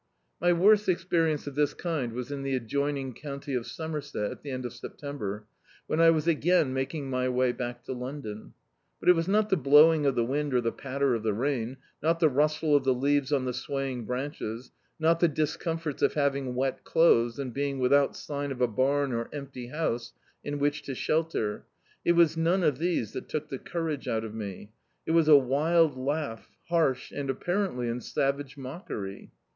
My worst experience of this kind was in the ad joining county of Somerset, at the end of September, when I was again making my way back to London. But it was not the blowing of the wind, or the patter of the rain; not the rustle of the leaves on the swaying branches; not the discomforts of having wet clothes, and being without sign of a bam or empty bouse in which to shelter; it was none of these that took the courage out of mc: it was a wild laugh, harsh, and apparently in savage mockery.